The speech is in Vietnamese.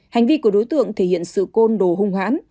hành vi của đối tượng thể hiện sự côn đồ hung hãn